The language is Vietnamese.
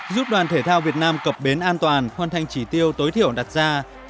giúp đoàn thể thao việt nam cập bến an toàn hoàn thành chỉ tiêu tối thiểu đặt ra